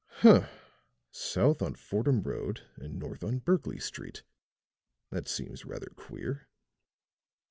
"Humph! South on Fordham Road, and north on Berkley Street. That seems rather queer."